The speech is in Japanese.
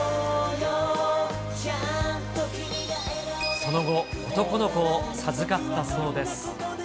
その後、男の子を授かったそ